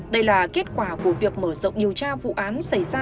đây là kết quả của việc mở rộng điều tra vụ án xảy ra